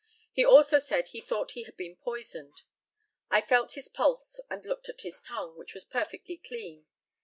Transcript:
He also said he thought he had been poisoned. I felt his pulse and looked at his tongue, which was perfectly clean.